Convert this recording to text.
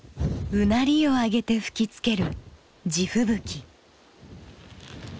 うなりを上げて吹きつける地吹雪。